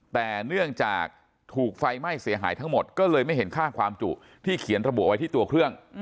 แต่เนื่องจากถูกไฟไหม้เสียหายทั้งหมดก็เลยไม่เห็นค่าความจุที่เขียนระบุไว้ที่ตัวเครื่อง